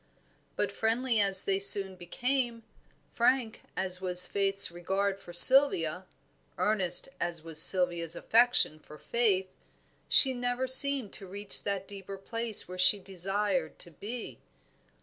But friendly as they soon became, frank as was Faith's regard for Sylvia, earnest as was Sylvia's affection for Faith, she never seemed to reach that deeper place where she desired to be.